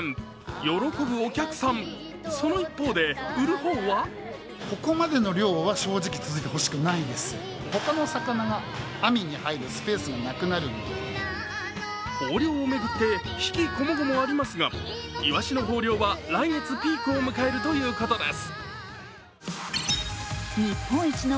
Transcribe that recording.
喜ぶお客さん、その一方で、売る方は豊漁を巡って悲喜こもごもありますが、イワシの豊漁は来月ピークを迎えるということです。